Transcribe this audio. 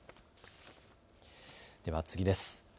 では次です。